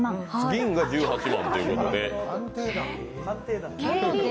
銀が１８万ということで。